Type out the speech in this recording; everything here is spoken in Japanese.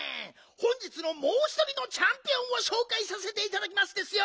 本日のもうひとりのチャンピオンをしょうかいさせていただきますですよ！